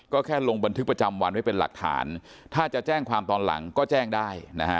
ก็แค่ลงบันทึกประจำวันไว้เป็นหลักฐานถ้าจะแจ้งความตอนหลังก็แจ้งได้นะฮะ